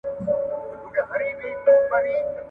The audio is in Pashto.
د هغه په خيال کي ښځه د ټولو علومو